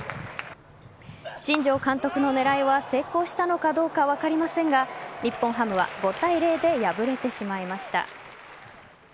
新庄監督の狙いは成功したのかどうか分かりませんが日本ハムは５対０で敗れてしまいました。